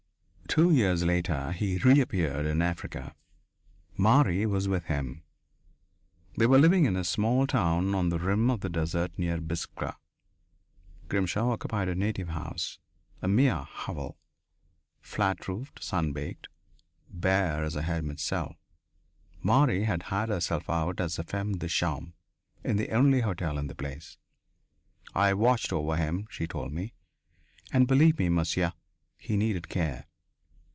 Two years later he reappeared in Africa. Marie was with him. They were living in a small town on the rim of the desert near Biskra. Grimshaw occupied a native house a mere hovel, flat roofed, sun baked, bare as a hermit's cell. Marie had hired herself out as femme de chambre in the only hotel in the place. "I watched over him," she told me. "And believe me, monsieur, he needed care!